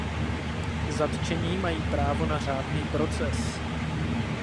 Zatčení mají právo na řádný proces.